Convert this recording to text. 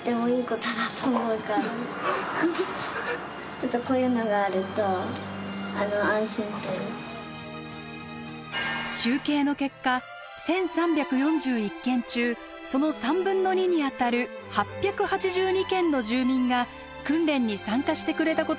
やっぱり何いうんかな集計の結果１，３４１軒中その３分の２にあたる８８２軒の住民が訓練に参加してくれたことが分かりました。